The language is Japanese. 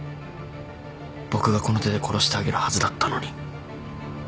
僕がこの手で殺してあげるはずだったのに。